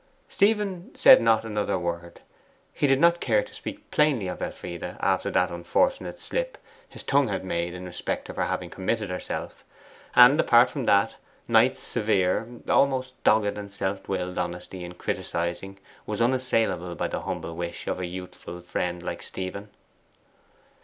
Stephen said not another word. He did not care to speak plainly of Elfride after that unfortunate slip his tongue had made in respect of her having committed herself; and, apart from that, Knight's severe almost dogged and self willed honesty in criticizing was unassailable by the humble wish of a youthful friend like Stephen.